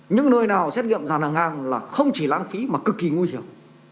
những nơi nào xét nghiệm giàn hàng ngang là không chỉ lãng phí mà cực kỳ nguy hiểm